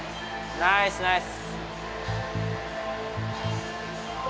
ナイスナイス！